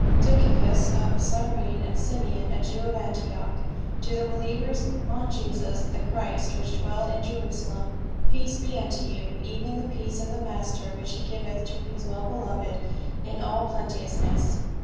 "' T UCIUS of Cyrene and Simeon a Jew of Antioch, i ^ to the believers on Jesus the Christ which dwell at Jerusalem : Peace be unto you, even the peace of the master, which he giveth to his well beloved in all plenteousness.